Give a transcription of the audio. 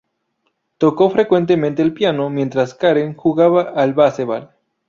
Tocó frecuentemente el piano mientras Karen jugaba al baseball.